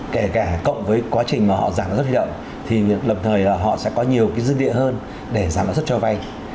kể cả cộng với quá trình mà họ giảm lãi suất đi động thì lập thời họ sẽ có nhiều dư địa hơn để giảm lãi suất cho vay